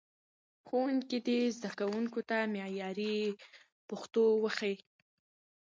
ښوونکي دې زدهکوونکو ته معیاري پښتو وښيي.